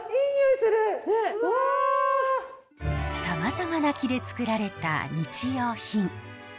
さまざまな木でつくられた日用品。